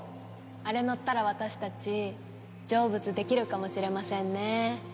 あれ乗ったら私たち成仏できるかもしれませんね。